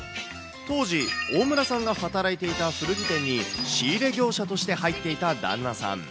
当時、オオムラさんが働いていた古着店に、仕入れ業者として入っていた旦那さん。